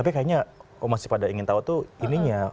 tapi kayaknya masih pada ingin tahu tuh ininya